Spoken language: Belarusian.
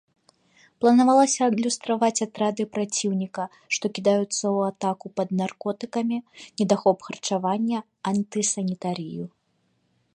Планавалася адлюстраваць атрады праціўніка, што кідаюцца ў атаку пад наркотыкамі, недахоп харчавання, антысанітарыю.